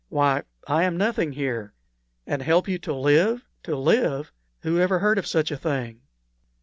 Why, I am nothing here. And help you to live to live! Who ever heard of such a thing?"